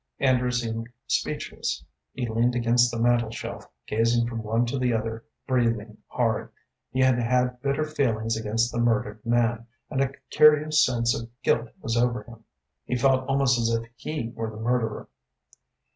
Andrew seemed speechless; he leaned against the mantel shelf, gazing from one to the other, breathing hard. He had had bitter feelings against the murdered man, and a curious sense of guilt was over him. He felt almost as if he were the murderer.